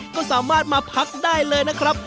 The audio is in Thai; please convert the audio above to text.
ก็สามารถมาพักได้เลยนะครับ